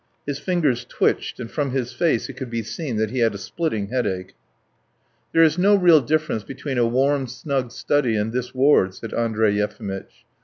His fingers twitched, and from his face it could be seen that he had a splitting headache. "There is no real difference between a warm, snug study and this ward," said Andrey Yefimitch.